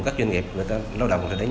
các doanh nghiệp người ta lao động